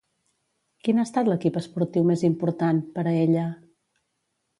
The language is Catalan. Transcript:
Quin ha estat l'equip esportiu més important, per a ella?